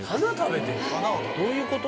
・どういうこと？